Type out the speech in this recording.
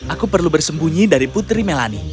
aku perlu bersembunyi dari putri melani